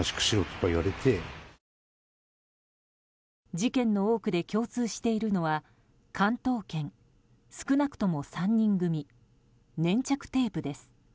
事件の多くで共通しているのは関東圏少なくとも３人組粘着テープです。